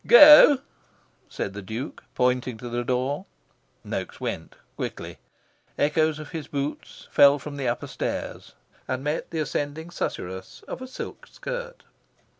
"Go!" said the Duke, pointing to the door. Noaks went, quickly. Echoes of his boots fell from the upper stairs and met the ascending susurrus of a silk skirt.